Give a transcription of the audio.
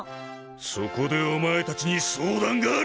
そこでおまえたちに相談がある！